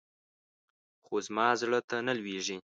خو زما زړه ته نه لوېږي.